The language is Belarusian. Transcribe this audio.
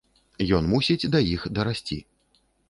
Ён мусіць да іх дарасці!